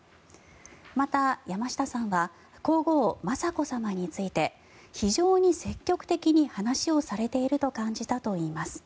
また、山下さんは皇后・雅子さまについて非常に積極的に話をされていると感じたといいます。